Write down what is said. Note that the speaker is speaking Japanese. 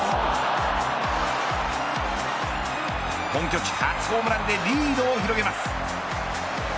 本拠地初ホームランでリードを広げます。